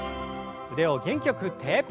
腕を元気よく振って。